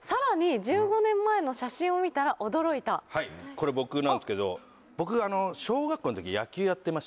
これ僕なんですけど。